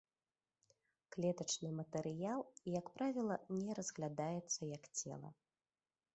Клетачны матэрыял, як правіла, не разглядаецца як цела.